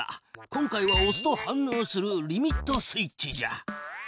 今回はおすと反のうするリミットスイッチじゃ。